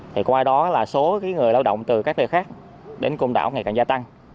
thì qua đó là số người lao động từ các nơi khác đến côn đảo ngày càng gia tăng